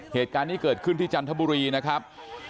เหตุการณ์นี้เกิดขึ้นที่จันทบุรีนะครับ